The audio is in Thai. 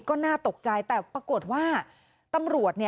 ก็น่าตกใจแต่ปรากฏว่าตำรวจ